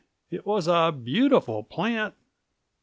It was a beautiful plant.